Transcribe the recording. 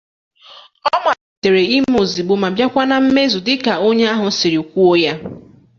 ọ màlite ime ozigbo ma bịakwa na mmezu dịka onye ahụ siri kwuo ya.